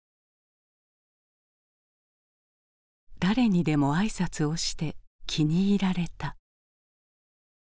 誰にでも挨拶をして気に入られた。